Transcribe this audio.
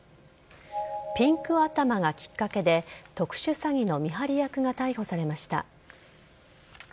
ピンク頭がきっかけで特殊詐欺の見張り役が逮捕されました。